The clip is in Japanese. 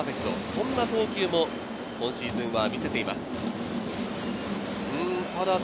そんな投球も今シーズンは見せています。